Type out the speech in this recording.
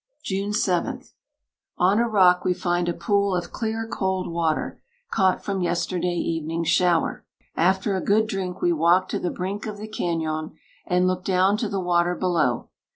"June 7. On a rock we find a pool of clear, cold water, caught from yesterday evening's shower. After a good drink we walk to the brink of the cañon, and look down to the water below.